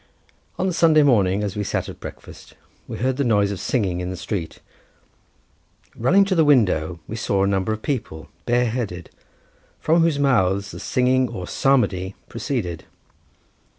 On the Sunday morning, as we sat at breakfast, we heard the noise of singing in the street; running to the window, we saw a number of people, bareheaded, from whose mouths the singing or psalmody proceeded.